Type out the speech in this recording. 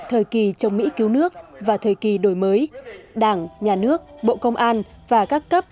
thời kỳ chống mỹ cứu nước và thời kỳ đổi mới đảng nhà nước bộ công an và các cấp